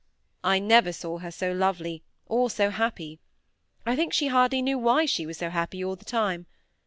I never saw her so lovely, or so happy. I think she hardly knew why she was so happy all the time.